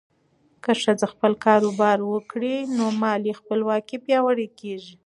که ښځه خپل کاروبار وکړي، نو مالي خپلواکي پیاوړې کېږي.